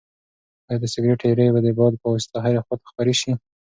ایا د سګرټ ایرې به د باد په واسطه هرې خواته خپرې شي؟